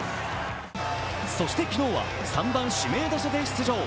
そして昨日は３番・指名打者で出場。